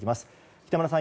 北村さん